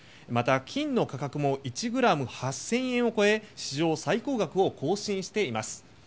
また金の価格も１グラム、８０００円を超え史上最高額を更新しています。